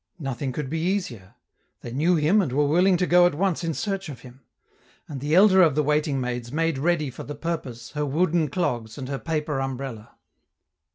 Nothing could be easier: they knew him and were willing to go at once in search of him; and the elder of the waiting maids made ready for the purpose her wooden clogs and her paper umbrella.